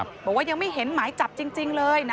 บอกว่ายังไม่เห็นหมายจับจริงเลยนะ